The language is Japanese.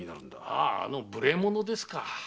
あああの無礼者ですか。